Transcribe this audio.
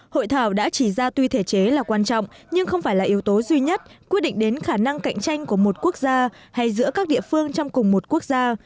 hội thảo đã chỉ ra tuy thể chế là quan trọng nhưng không phải là yếu tố duy nhất quyết định đến khả năng cạnh tranh của một quốc gia hay giữa các địa phương trong cùng một quốc gia